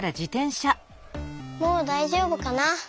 もうだいじょうぶかな。